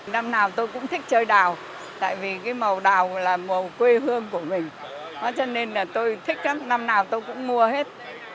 năm nào tôi cũng thích chơi đào tại vì cái màu đào là màu quê hương của mình cho nên là tôi thích lắm năm nào tôi cũng mua hết